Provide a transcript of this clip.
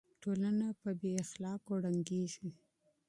ټولنه بې اخلاقو ړنګه کيږي.